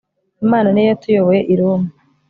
Imana niyo yatuyoboye i Roma